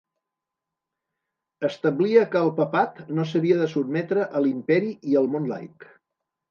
Establia que el Papat no s'havia de sotmetre a l'Imperi i al món laic.